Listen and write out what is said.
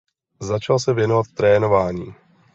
Začal se věnovat trénování.